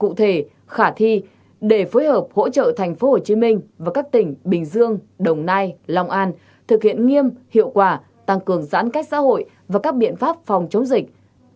sáu ủy ban nhân dân tp hcm ủy ban nhân dân các tỉnh bình dương đồng nai long an thực hiện nghiêm hiệu quả tăng cường giãn cách xã hội và các biện pháp phòng chống dịch